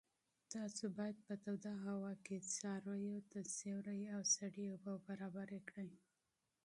تاسو باید په توده هوا کې څارویو ته سیوری او سړې اوبه برابرې کړئ.